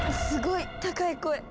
すごい高い声。